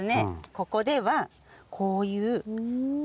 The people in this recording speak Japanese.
ここではこういう。